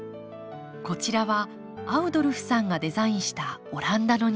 こちらはアウドルフさんがデザインしたオランダの庭。